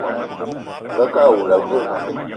Angakë awula a veu?